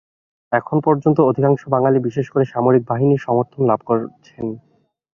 এখনো পর্যন্ত তিনি অধিকাংশ বাঙালি, বিশেষ করে সামরিক বাহিনীর সমর্থন লাভ করছেন।